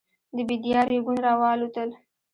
د بېدیا رېګون راوالوتل.